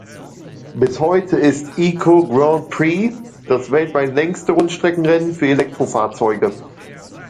Bis heute ist eco Grand Prix das weltweit längste Rundstreckenrennen für Elektrofahrzeuge.